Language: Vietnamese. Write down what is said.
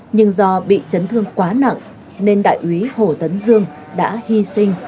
nhưng do bị chấn thương quá nặng nên đại úy hồ tấn dương đã hy sinh